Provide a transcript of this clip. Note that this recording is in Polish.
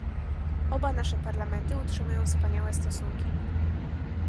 Oba nasze Parlamenty utrzymują wspaniałe stosunki